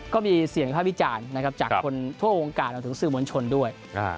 ก็มีเสียงวิภาพวิจารณ์นะครับจากคนทั่ววงการรวมถึงสื่อมวลชนด้วย